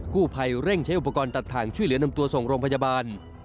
กู้ภัยเร่งใช้อุปกรณ์ตัดทางช่วยเหลือนำตัวส่งโรงพยาบาล